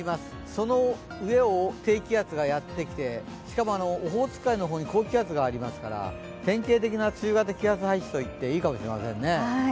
その上を低気圧がやってきて、しかもオホーツク海の方に高気圧がありますから典型的な梅雨型気圧配置と言っていいかもしれませんね。